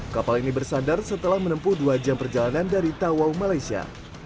kapal ini bersandar setelah menempuh dua jam perjalanan dari tawau malaysia